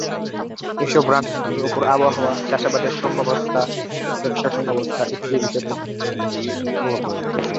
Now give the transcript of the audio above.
এসকল রান্নাঘরের উপর আবহাওয়া, চাষাবাদের সম্ভাব্যতা, ব্যবসার সম্ভাব্যতা ইত্যাদি বিষয় প্রত্যক্ষ প্রভাব রেখেছে।